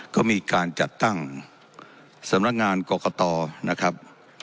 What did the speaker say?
ก็มีการจัดตั้งสำนักงานกรกตนะครับ